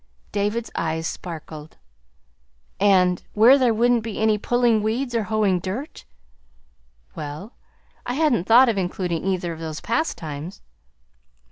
David's eyes sparkled. "And where there wouldn't be any pulling weeds or hoeing dirt?" "Well, I hadn't thought of including either of those pastimes."